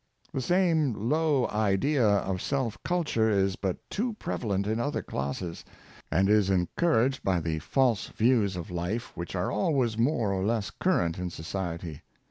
The same low idea of self culture is but too prevalent in other classes, and is encouraged by the false views of life which are always more or less current in society.